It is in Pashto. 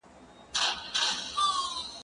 زه وخت نه نيسم،